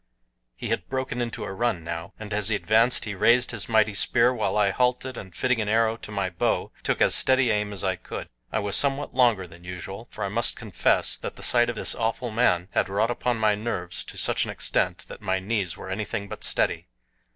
He had broken into a run now, and as he advanced he raised his mighty spear, while I halted and fitting an arrow to my bow took as steady aim as I could. I was somewhat longer than usual, for I must confess that the sight of this awful man had wrought upon my nerves to such an extent that my knees were anything but steady.